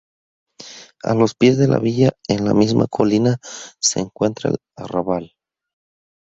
A los pies de la Villa, en la misma colina, se encuentra el Arrabal.